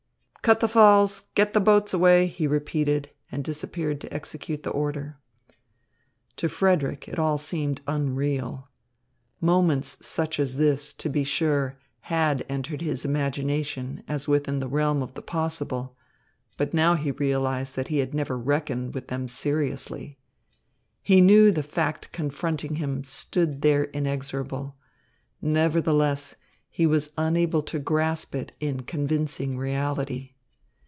"Cut the falls. Get the boats away," he repeated and disappeared to execute the order. To Frederick, it all seemed unreal. Moments such as this, to be sure, had entered his imagination as within the realm of the possible; but now he realised that he had never reckoned with them seriously. He knew the fact confronting him stood there inexorable; nevertheless, he was unable to grasp it in convincing reality.